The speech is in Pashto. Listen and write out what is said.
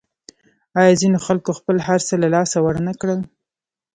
آیا ځینو خلکو خپل هرڅه له لاسه ورنکړل؟